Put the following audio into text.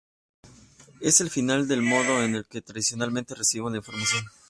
Es el final del modo en el que tradicionalmente recibimos la información.